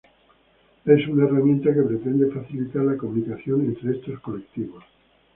Es una herramienta que pretende facilitar la comunicación entre estos colectivos.